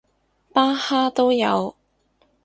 巴哈都有